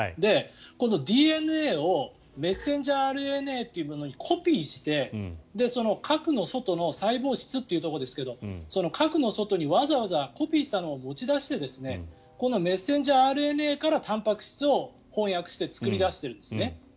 このＤＮＡをメッセンジャーＲＮＡというものにコピーして核の外の細胞質というところですが核の外にわざわざコピーしたのを持ち出してこのメッセンジャーＲＮＡからたんぱく質を翻訳して作り出しているんですね。